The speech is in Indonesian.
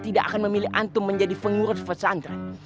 tidak akan memilih antum menjadi pengurus pesantren